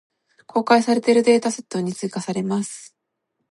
公開されているデータセットに追加せれます。